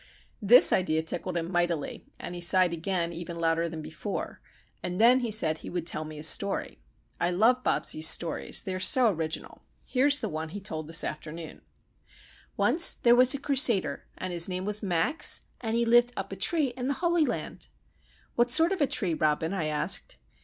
This idea tickled him mightily, and he sighed again even louder than before, and then he said he would tell me a story. I love Bobsie's stories,—they are so original. Here is the one he told this afternoon: "Once there was a Crusader, and his name was Max, and he lived up a tree in the Holy Land." "What sort of a tree, Robin?" I asked.